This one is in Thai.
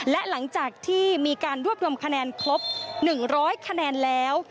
และหลังจากที่มีการรวบรวมคะแนนครบ๑๐๐คะแนนแล้ว